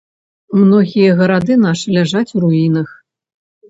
Многія гарады нашы ляжаць у руінах.